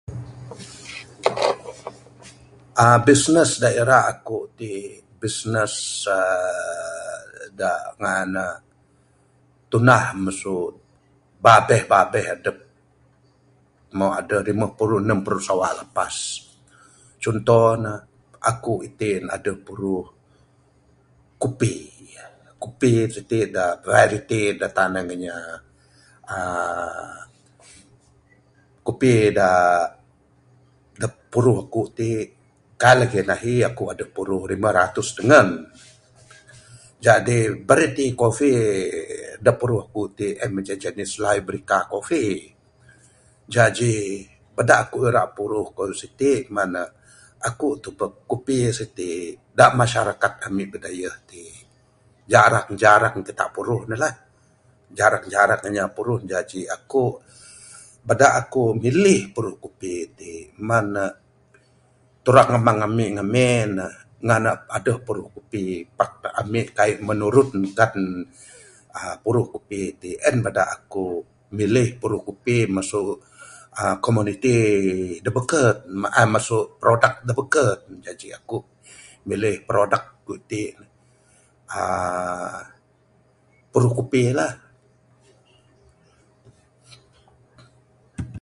uhh bisnes da ira aku ti, bisnes uhh da ngan ne tunah masu babeh babeh adep. Moh adeh rimeh puru, enem puru sawa lapas. Chunto ne aku itin adeh puruh kupi. Kupi siti da variety da tanen inya. uhh kupi da puruh aku ti, kaik lagih ne ahi. Aku adeh rimeh ratus tengen. Jadi variety coffee da puruh aku en manceh librica coffee. Jaji bada aku ira puruh kayuh siti ngan ne aku tubek kupi siti da masyarakat ami bidayuh ti jarang jarang kita puruh ne lah. Jarang jarang inya puruh ne. Jaji aku, bada aku milih puruh kupi ti ngin ne turang amang ami ngamin ne ngan ne adeh puruh kupi Pak ami kaik menurunkan uhh puruh kupi ti. En bada aku milih puruh kupi masu uhh komuniti da beken, mahar masu product da beken. Jaji aku milih product ku ti uhh puruh kupi lah.